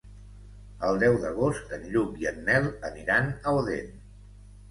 El deu d'agost en Lluc i en Nel aniran a Odèn.